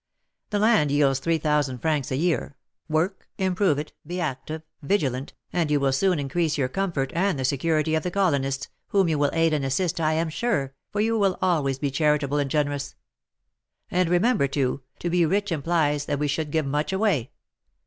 The land yields three thousand francs a year: work, improve it, be active, vigilant, and you will soon increase your comfort and the security of the colonists, whom you will aid and assist I am sure, for you will always be charitable and generous; and remember, too, to be rich implies that we should give much away.